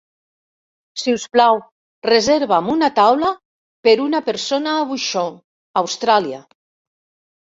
Si us plau, reserva'm una taula per una persona a Bouchon, a Austràlia.